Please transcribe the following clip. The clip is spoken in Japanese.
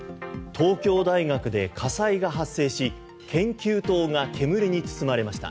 東京大学で火災が発生し研究棟が煙に包まれました。